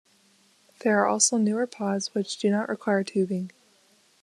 There are also newer "pods" which do not require tubing.